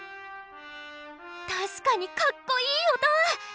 確かにかっこいい音！